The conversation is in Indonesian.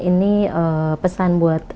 ini pesan buat